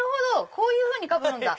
こういうふうにかぶるんだ。